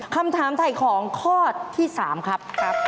คำถามถ่ายของข้อที่๓ครับ